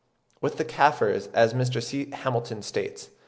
With the Kafirs, as Mr. C. Hamilton states (17.